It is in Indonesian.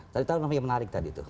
tadi tahu namanya yang menarik tadi tuh